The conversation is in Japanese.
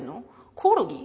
コオロギ？